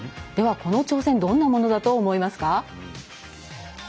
では、この挑戦どんなものだと思いますか？